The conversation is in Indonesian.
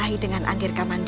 kamu akan menellsakan aku